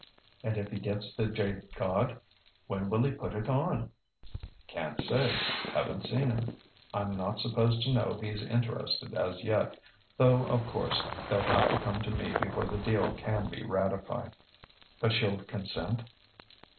"And if he gets 'The Jade God' when will he put it on?" "Can't say haven't seen him. I'm not supposed to know he's interested as yet; though of course they'll have to come to me before the deal can be ratified." "But you'll consent?"